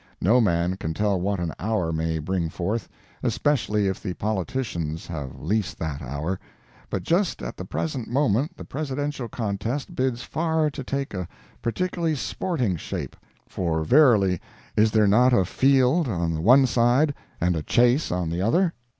No man can tell what an hour may bring forth—especially if the politicians have leased that hour—but just at the present moment the Presidential contest bids far to take a particularly "sporting" shape—for verily is there not a "field" on the one side and a "chase" on the other?